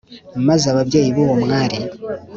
maze ababyeyi b’uwo mwari